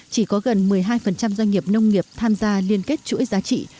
chỉ có gần một mươi hai doanh nghiệp nông nghiệp tham gia liên kết chuỗi giá trị